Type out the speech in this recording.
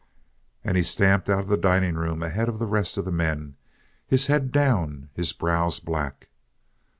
And he stamped out of the dining room ahead of the rest of the men, his head down, his brows black.